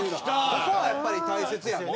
ここはやっぱり大切やんね。